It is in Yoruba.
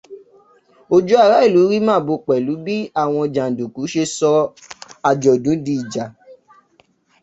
Ojú ará ìlú rí màbo pẹ̀lú bí àwọn jàǹdùkú ṣe sọ àjọ̀dún di ìjà